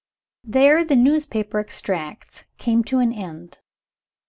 There the newspaper extracts came to an end.